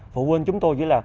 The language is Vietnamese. phụ huynh chúng tôi chỉ là